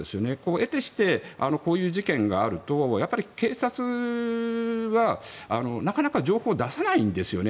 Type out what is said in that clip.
えてしてこういう事件があるとやっぱり警察は、なかなか情報を出さないんですよね。